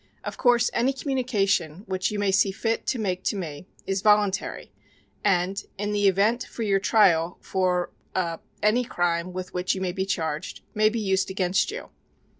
Of course any communication which you may see fit to make to me is voluntary and, in the event for your trial for er any crime with which you may be charged, may be used against you."